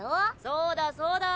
そうだそうだ！